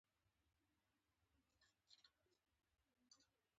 پاکوالي، د ناروغیو مخنیوی کوي.